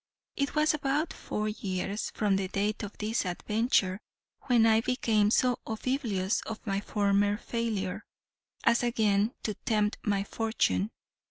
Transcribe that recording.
It was about four years from the date of this adventure, when I became so oblivious of my former failure, as again to tempt my fortune.